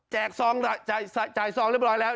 แจกซองจ่ายซองเรียบร้อยแล้ว